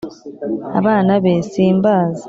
abana be simbazi